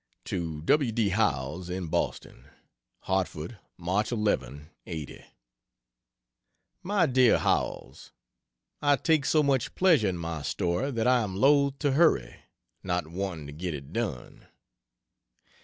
To W. D. Howells, in Boston: HARTFORD, Mch. 11, '80. MY DEAR HOWELLS, ... I take so much pleasure in my story that I am loth to hurry, not wanting to get it done.